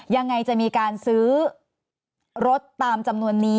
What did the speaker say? ยังไงจะมีการซื้อรถตามจำนวนนี้